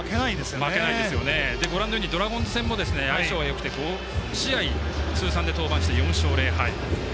ご覧のようにドラゴンズ戦も相性がよくて５試合通算で登板して４勝０敗。